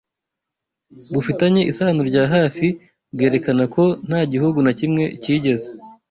bufitanye isano rya hafi bwerekana ko nta gihugu na kimwe cyigeze